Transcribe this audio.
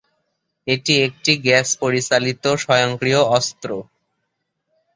এটি একটি গ্যাস পরিচালিত স্বয়ংক্রিয় অস্ত্র।